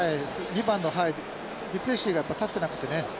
２番のデュプレシーが立ってなくてね。